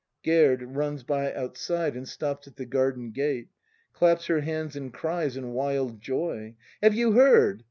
Gerd. [Runs hy outside and stops at the garden gate; claps her hands and cries in wild joy.] Have you heard